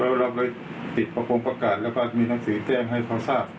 แล้วเราไปติดประกงประกาศแล้วก็มีหนังสือแจ้งให้เขาทราบ